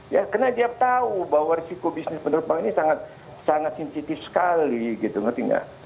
ya karena dia tahu bahwa risiko bisnis penerbangan ini sangat sensitif sekali gitu ngerti nggak